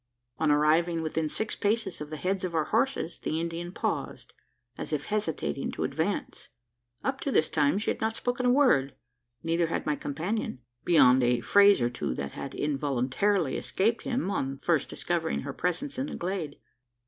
On arriving within six paces of the heads of our horses, the Indian paused, as if hesitating to advance. Up to this time, she had not spoken a word. Neither had my companion beyond a phrase or two that had involuntarily escaped him, on first discovering her presence in the glade.